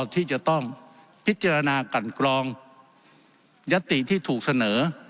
ที่จะต้องพิจารณากันกรองยัตติที่ถูกเสนอ